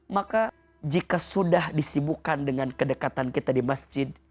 maka jika sudah disibukkan dengan kedekatan kita di masjid